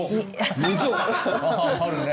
あるね。